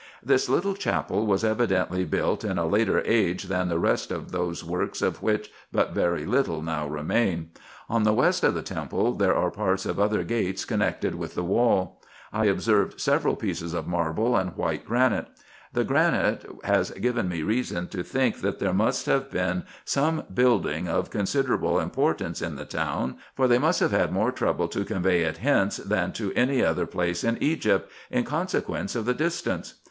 This little chapel was evidently built in a later age than the rest of those works of which but very little now remain. On the west of the temple there are parts of other gates connected with the wall. I observed several pieces of marble and white granite. The granite has given me reason to think that there must have been some building of considerable importance in this town, for they must have had more trouble to convey it hence than to any other place in Egypt, in consequence of the distance.